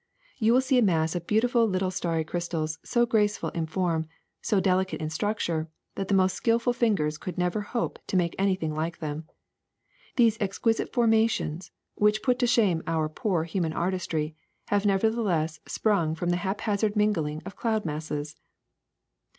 You will see a mass of beautiful little starry crystals so graceful in form, so delicate in structure, that the most skilful fingers could never hope to make any thing like them. These exquisite formations, which put to shame our poor human artistry, have never theless sprung from the haphazard mingling of cloud masses.